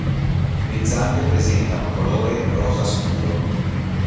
Le zampe presentano colore rosa scuro.